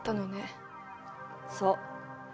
そう。